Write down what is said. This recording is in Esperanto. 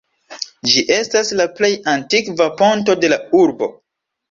Ĝi estas la plej antikva ponto de la urbo.